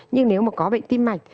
nhưng nếu mà có bệnh tim mạch